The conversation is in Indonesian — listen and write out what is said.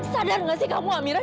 sadar nggak sih kamu amira